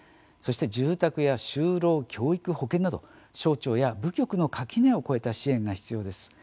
そして住宅や就労教育、保健など省庁や部局の垣根を越えた支援が必要です。